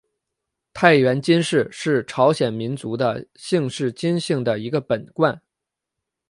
太原金氏是朝鲜民族的姓氏金姓的一个本贯。